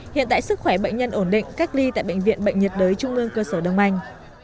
hiện tại sức khỏe bệnh nhân ổn định cách ly tại bệnh viện bệnh nhiệt đới trung ương cơ sở đông anh